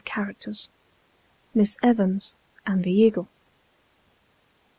CHAPTER IV. MISS EVANS AND THE EAGLE.